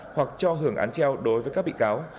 hoặc cho hưởng án treo đối với các bị cáo